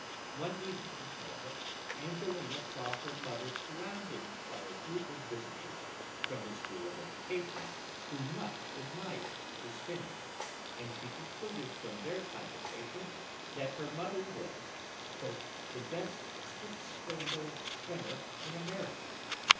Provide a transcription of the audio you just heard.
One evening, however, Angelina saw her mother surrounded by a group of visitors from the School of Education who much admired the spinning, and she concluded from their conversation that her mother was "the best stick spindle spinner in America."